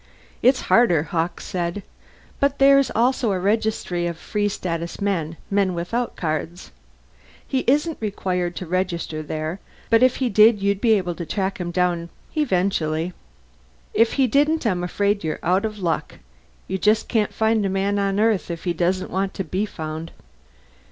"It's harder," Hawkes said. "But there's also a registry of Free Status men men without cards. He isn't required to register there, but if he did you'd be able to track him down eventually. If he didn't, I'm afraid you're out of luck. You just can't find a man on Earth if he doesn't want to be found."